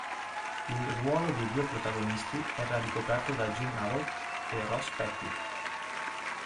Il ruolo dei due protagonisti era ricoperto da June Havoc e Ross Petty.